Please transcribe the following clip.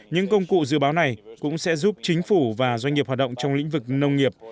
những công cụ dự báo này cũng sẽ giúp chính phủ và doanh nghiệp hoạt động trong lĩnh vực nông nghiệp